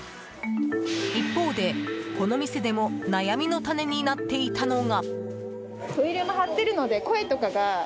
一方で、この店でも悩みの種になっていたのが。